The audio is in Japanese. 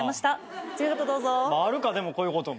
あるかでもこういうことも。